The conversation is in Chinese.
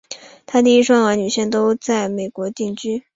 她的一双儿女现都在北美定居。